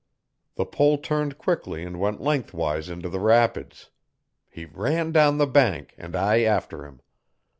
The pole turned quickly and went lengthwise into the rapids. He ran down the bank and I after him.